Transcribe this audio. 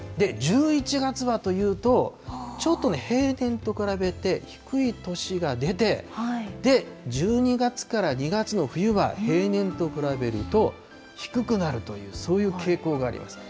１１月はというと、ちょっとね、平年と比べて低い年が出て、１２月から２月の冬は平年と比べると低くなるという、そういう傾向があります。